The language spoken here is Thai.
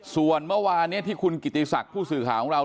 ส่วนเมื่อวานที่คุณกิติศักดิ์ผู้สื่อข่าวของเรา